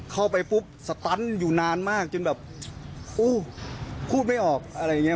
เข้าไปปุ๊บสตันอยู่นานมากจนแบบโอ้พูดไม่ออกอะไรอย่างนี้